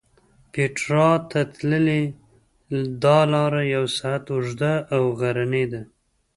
پېټرا ته تللې دا لاره یو ساعت اوږده او غرنۍ ده.